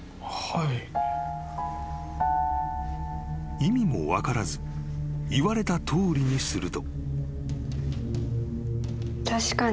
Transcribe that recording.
［意味も分からず言われたとおりにすると］